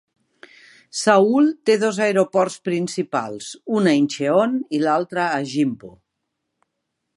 Seül té dos aeroports principals: un a Incheon i l'altre a Gimpo.